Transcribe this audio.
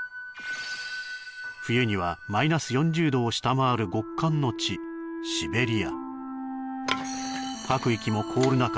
冬にはマイナス４０度を下回る極寒の地シベリア吐く息も凍る中